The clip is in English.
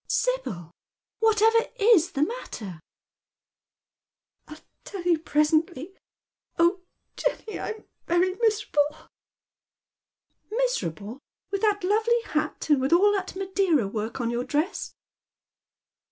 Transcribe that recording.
" Sibyl, whatever is the matter ?"" I'll tell you presently. Oh, Jenny, I'm very miserable." " Miserable, with that lovely bat, and with all that Madeira work on your dress